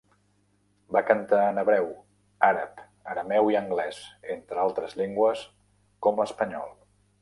Va cantar en hebreu, àrab, arameu i anglès, entre altres llengües com l'espanyol.